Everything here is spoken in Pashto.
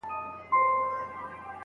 پنډي په اوږه باندي ګڼ توکي ونه راوړل.